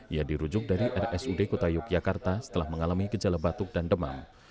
ia dirujuk dari rsud kota yogyakarta setelah mengalami gejala batuk dan demam